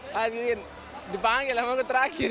akhirnya dipanggil akhirnya terakhir